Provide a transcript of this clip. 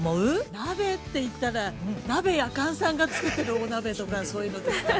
◆鍋っていったら、なべやかんさんが作ってるお鍋とかそういうのですかね。